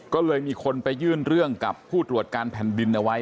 ก็เลยมีคนไปยื่นเรื่องกับผู้ตรวจการแผ่นดินเอาไว้